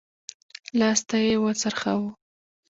لاستی يې وڅرخوه.